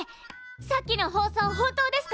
さっきの放送本当ですか！？